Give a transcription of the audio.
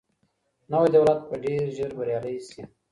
نوی دولت به ډیر ژر بریالی سي.